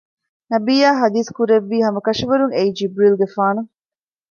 ނަބިއްޔާ ޙަދީޘް ކުރެއްވި ހަމަކަށަވަރުން އެއީ ޖިބްރީލުގެފާނު